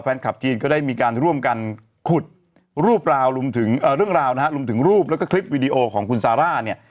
แฟนคลับจีนก็ได้มีการร่วมกันขุดรูปราวรวมถึงเรื่องราวนะฮะรวมถึงรูปแล้วก็คลิปวิดีโอของคุณซาร่าเนี่ย